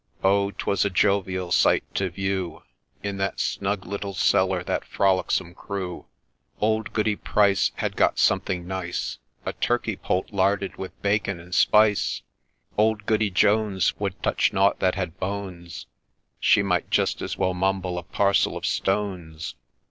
Oh I 'twas a jovial sight to view In that snug little cellar that frolicsome crew !— Old Goody Price Had got something nice, A turkey poult larded with bacon and spice ;— Old Goody Jones Would touch nought that had bones, — She might just as well mumble a parcel of stones.